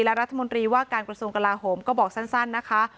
และรัฐมนตรีว่าการกระทรวงกลาโหมก็บอกสั้นนะคะ